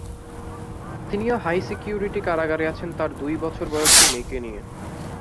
তিনিও high security কারাগারে আছেন তাঁর দুই বছর বয়সী মেয়েকে নিয়ে।